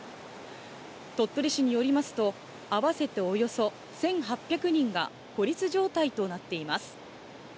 鳥取市によりますと、合わせておよそ１８００人が孤立状態となっています。